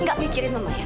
nggak mikirin mama ya